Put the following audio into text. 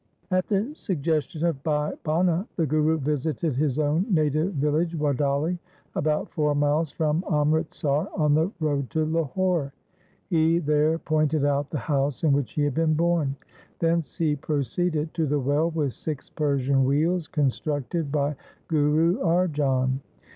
At the suggestion of Bhai Bhana the Guru visited his own native village Wadali, about four miles from Amritsar on the road to Lahore. He there pointed out the house in which he had been born. Thence he proceeded to the well with six Persian wheels constructed by Guru Arjan.